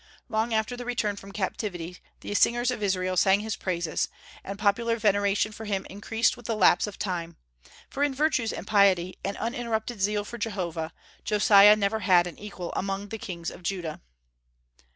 Long after the return from captivity the singers of Israel sang his praises, and popular veneration for him increased with the lapse of time; for in virtues and piety, and uninterrupted zeal for Jehovah, Josiah never had an equal among the kings of Judah.